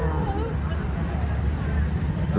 นี่หล่ะ